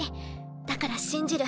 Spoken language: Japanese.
だから信じる。